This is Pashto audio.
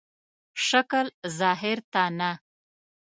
شکل ظاهر ته نه.